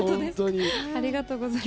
ありがとうございます。